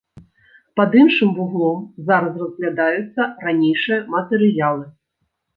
Пад іншым вуглом зараз разглядаюцца ранейшыя матэрыялы.